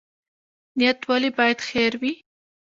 نیت ولې باید خیر وي؟